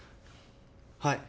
はい。